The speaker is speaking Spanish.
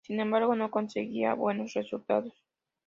Sin embargo no conseguía buenos resultados.